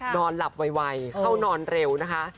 นอนหลับไวเข้านอนเร็วนะคะ